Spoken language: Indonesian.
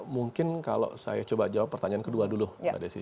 mungkin kalau saya coba jawab pertanyaan kedua dulu mbak desi